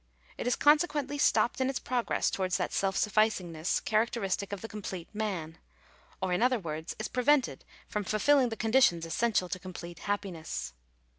It is consequently stopped in its progress towards that self sufficingness charac teristic of the complete man; or, in other words, is prevented from fulfilling the conditions essential to complete happiness.